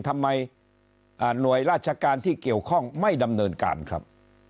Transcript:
ทำไมหน่วยราชการที่เกี่ยวข้องไม่ดำเนินการครับ